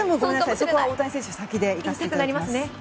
そこは大谷選手先でいかせていただきます。